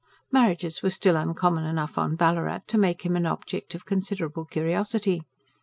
Marriages were still uncommon enough on Ballarat to make him an object of considerable curiosity.